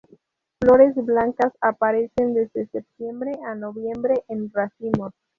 Flores blancas aparecen desde septiembre a noviembre en racimos.